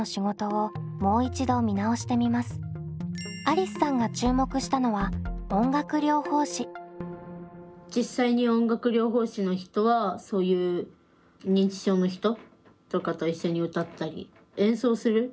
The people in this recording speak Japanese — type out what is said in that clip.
ありすさんが注目したのは実際に音楽療法士の人はそういう認知症の人とかと一緒に歌ったり演奏する。